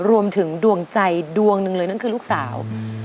ดวงใจดวงหนึ่งเลยนั่นคือลูกสาว